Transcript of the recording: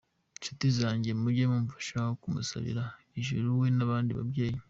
Nshuti zanjye, mujye mumfasha kumusabira ijuru we n'abandi babyeyi.